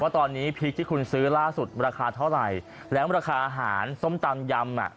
ตอนนี้พริกที่คุณซื้อล่าสุดราคาเท่าไหร่แล้วราคาอาหารส้มตำยำอ่ะ